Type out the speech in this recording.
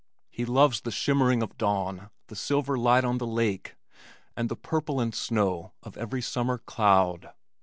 He loves the shimmering of dawn, the silver light on the lake and the purple and snow of every summer cloud.